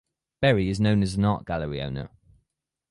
Beri is known as an art gallery owner.